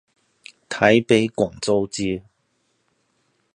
台北廣州街